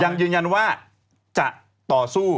ยังยืนยันว่าจะต่อสู้